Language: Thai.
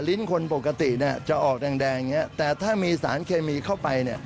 ลิ้นคนปกติจะออกแดงแต่ถ้ามีสารเคมีเข้าไป